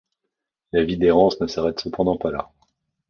La vie d’errance ne s’arrête cependant pas là.